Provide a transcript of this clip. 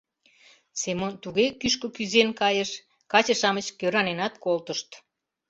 Семон туге кӱшкӧ кӱзен кайыш — каче-шамыч кӧраненат колтышт.